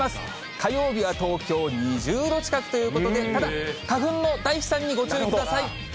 火曜日は東京２０度近くということで、ただ花粉の大飛散にご注意ください。